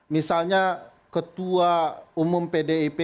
misalnya ketua umum pdip